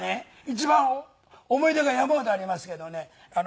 一番思い出が山ほどありますけどね。